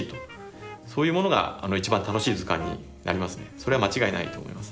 それは間違いないと思います。